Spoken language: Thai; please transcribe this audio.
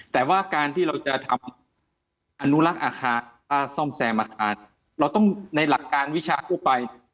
แต่ว่าการที่เราจะทำอนุรักษ์อาคารซ่อมแซมอาคารเราต้องในหลักการวิชาทั่วไป